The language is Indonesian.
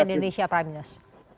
cnn indonesia prime news